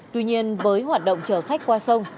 tuy nhiên với hoạt động chờ khách qua sông